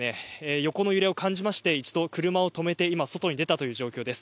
横の揺れを感じまして一度、車を止めて今外に出たという状況です。